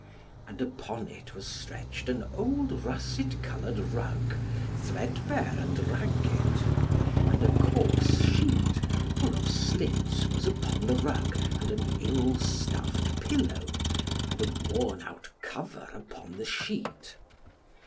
And upon it was stretched an old russet coloured rug, threadbare and ragged; and a coarse sheet, full of slits was upon the rug, and an ill stuffed pillow, and a worn out cover upon the sheet.